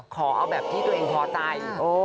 ขอเอาแบบที่ตัวเองพอใจ